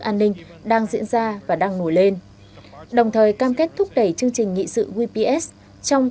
an ninh đang diễn ra và đang nổi lên đồng thời cam kết thúc đẩy chương trình nghị sự qps trong